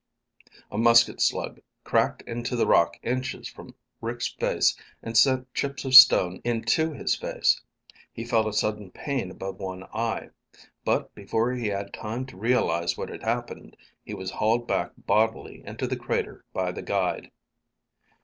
A musket slug cracked into the rock inches from Rick's face and sent chips of stone into his face. He felt a sudden pain above one eye. But before he had time to realize what had happened, he was hauled back bodily into the crater by the guide.